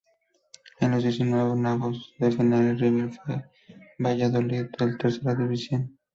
En los dieciseisavos de final, el rival fue el Valladolid, de tercera división.